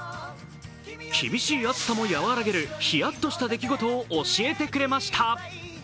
厳しい暑さも和らげるひやっとした出来事を教えてくれました。